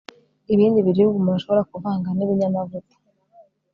ibindi biribwa umuntu ashobora kuvanga nibinyamavuta